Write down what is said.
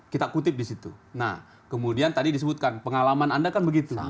kita kutip di situ nah kemudian tadi disebutkan pengalaman anda kan begitu